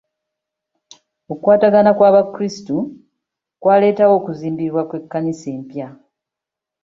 Okukwatagana kw'abakrisitu kwaleetawo okuzimbibwa kw'ekkanisa empya.